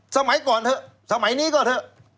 สมัยก่อนเถอะสมัยนี้ก็เถอะ